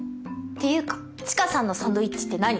っていうか知花さんのサンドイッチって何？